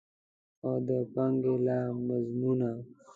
او د پانګې له مضمونه.